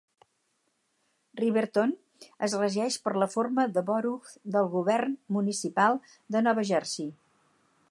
Riverton es regeix per la forma de Borough del govern municipal de Nova Jersey.